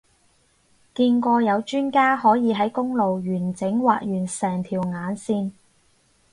見過有專家可以喺公路完整畫完成條眼線